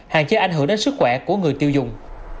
hạn chế ảnh hưởng đến sức khỏe của người tiêu dùng